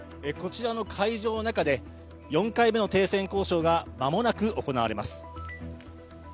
こちらの会場の中で４回目の停戦交渉が間もなく行われます。